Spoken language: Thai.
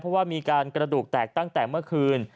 เพราะว่ามีการกระดูกแตกตั้งแต่เมื่อคืน